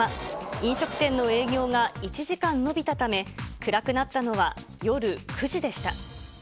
飲食店の営業が１時間延びたため、暗くなったのは夜９時でした。